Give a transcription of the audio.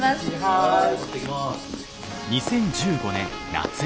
はい。